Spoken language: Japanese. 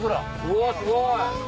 うわすごい！